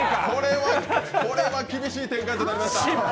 これは厳しい展開となりました。